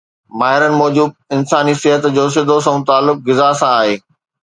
ماهرن موجب انساني صحت جو سڌو سنئون تعلق غذا سان آهي